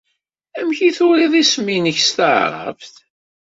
Amek ay turiḍ isem-nnek s taɛṛabt?